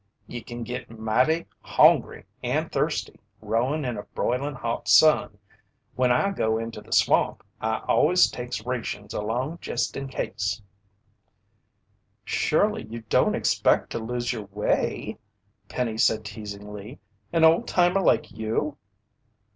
"Ye can git mighty hongry and thirsty, rowin' in a broiling hot sun. When I go into the swamp, I always takes rations along jest in case." "Surely you don't expect to lose your way," Penny said teasingly. "An old timer like you!"